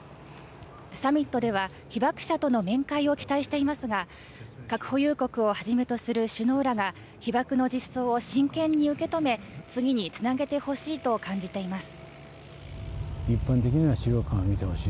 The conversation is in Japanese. サミットでは被爆者との面会を期待していますが核保有国をはじめとする首脳らが被爆の実相を真剣に受け止め次につなげてほしいと感じています。